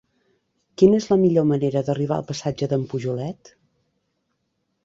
Quina és la millor manera d'arribar al passatge d'en Pujolet?